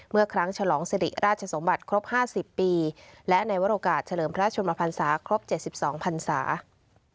เมื่อครั้งฉลองศรีราชสมบัติครบ๕๐ปีและในวันโอกาสเฉลิมพระราชมภัณฑ์ศาสตร์ครบ๗๒ภัณฑ์ศาสตร์